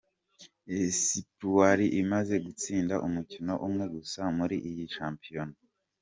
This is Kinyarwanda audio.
Esipuwari imaze gutsinda umukino umwe gusa muri iyi shampiyona.